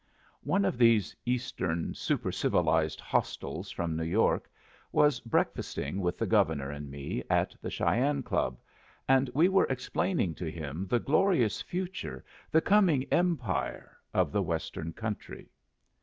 One of these Eastern supercivilized hostiles from New York was breakfasting with the Governor and me at the Cheyenne Club, and we were explaining to him the glorious future, the coming empire, of the Western country.